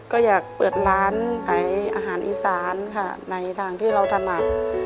ก็อยากเปิดร้านขายอาหารอีสานค่ะในทางที่เราถนัด